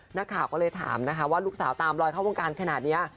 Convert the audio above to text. นักข่าวก็เลยถามนะคะว่าลูกสาวตามลอยเข้าวงการขนาดนี้